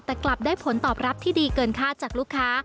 แต่กลับได้ผลตอบรับที่ดีเกินค่าจากลูกค้า